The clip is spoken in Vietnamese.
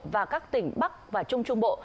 và các tỉnh bắc và trung trung bộ